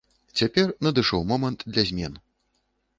Цяпер надышоў момант для змен.